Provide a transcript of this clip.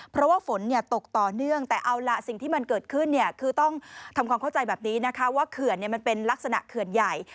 เพราะว่าฝนตกต่อเนื่องแต่เอาล่ะสิ่งที่มันเกิดขึ้นเนี่ยคือต้องทำความเข้าใจแบบนี้นะคะว่าเขื่อนมันเป็นลักษณะเขื่อนใหญ่